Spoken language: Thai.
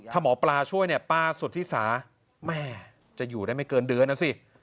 ถ้าหมอปลาช่วยเนี่ยป้าสุธิสาแม่จะอยู่ได้ไม่เกินเดือนนะสิ